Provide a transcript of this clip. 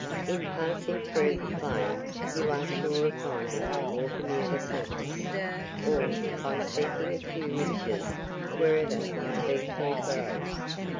In passing through the plains you are sure of finding water near the surface (or by seeking a few inches) wherever the tea tree grows.